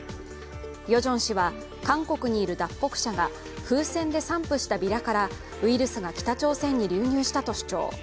ヨジョン氏は韓国にいる脱北者が風船で散布したビラからウイルスが北朝鮮に流入したと主張。